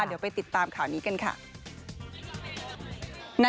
เดี๋ยวไปติดตามข่าวนี้กันค่ะ